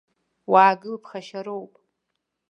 Уаагыл, ԥхашьароуп!